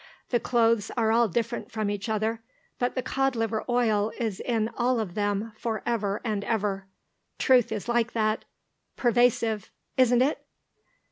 The clothes are all different from each other, but the cod liver oil is in all of them for ever and ever. Truth is like that pervasive. Isn't it?"